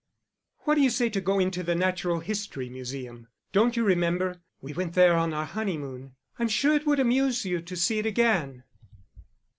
"What d'you say to going to the Natural History Museum? Don't you remember, we went there on our honeymoon? I'm sure it would amuse you to see it again."